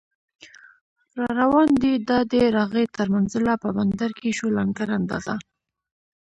راروان دی دا دی راغی تر منزله، په بندر کې شو لنګر اندازه